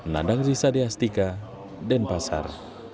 nadang risa deastika denpasar